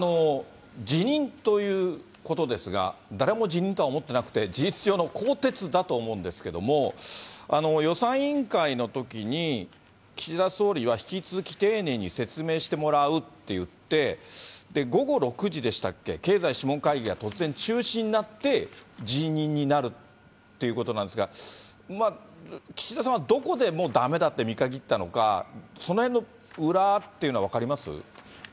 辞任ということですが、誰も辞任とは思ってなくて、事実上の更迭だと思うんですけども、予算委員会のときに、岸田総理は引き続き丁寧に説明してもらうって言って、午後６時でしたっけ、経済諮問会議が突然中止になって、辞任になるっていうことなんですが、岸田さんはどこでもうだめだって見限ったのか、そのへんの裏っていうのは分かります？